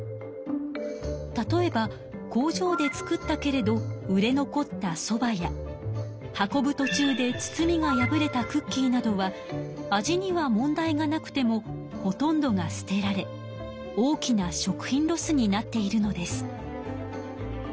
例えば工場で作ったけれど売れ残ったソバや運ぶとちゅうで包みが破れたクッキーなどは味には問題がなくてもほとんどが捨てられ大きな食品ロスになっているのです。